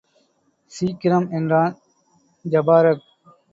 சீக்கிரம்! என்றான் ஜபாரக்.